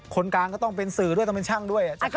คนกลางก็ต้องเป็นสื่อด้วยต้องเป็นช่างด้วย